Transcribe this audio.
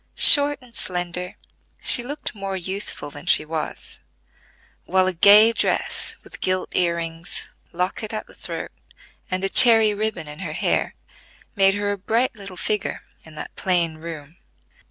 Short and slender, she looked more youthful than she was; while a gay dress, with gilt ear rings, locket at the throat, and a cherry ribbon in her hair made her a bright little figure in that plain room.